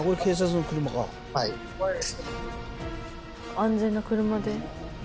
安全な車で。